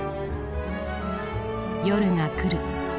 夜が来る。